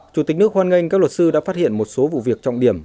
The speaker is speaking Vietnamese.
chủ tịch nước hoan nghênh các luật sư đã phát hiện một số vụ việc trọng điểm